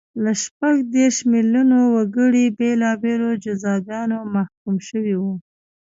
له شپږ دېرش میلیونه وګړي بېلابېلو جزاګانو محکوم شوي وو